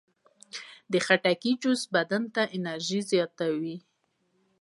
د خټکي جوس د بدن انرژي زیاتوي.